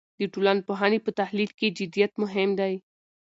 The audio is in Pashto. د ټولنپوهنې په تحلیل کې جدیت مهم دی.